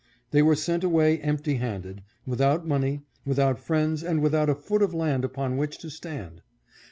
They were sent away empty handed, without money, without friends and without a foot of land upon which to stand.